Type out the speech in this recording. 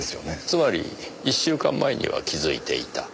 つまり１週間前には気づいていた。